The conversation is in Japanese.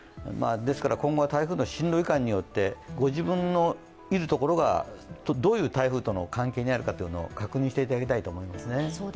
今後は台風の進路いかんによってご自分のいる所がどういう台風との関係にあるかを確認していただきたいと思いますね。